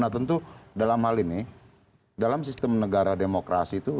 nah tentu dalam hal ini dalam sistem negara demokrasi itu